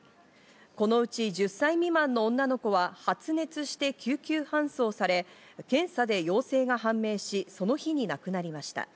このうち１０歳未満の女の子は発熱して救急搬送され、検査で陽性が判明し、その日に亡くなりました。